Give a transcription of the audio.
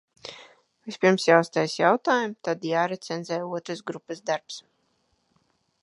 Vispirms jāuztaisa jautājumi, tad jārecenzē otras grupas darbs.